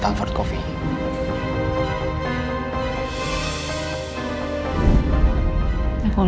tau dari rafael